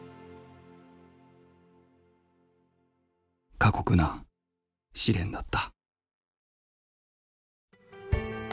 過酷な試練だった。